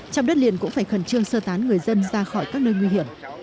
trong đất liền cũng phải khẩn trương sơ tán người dân ra khỏi các nơi nguy hiểm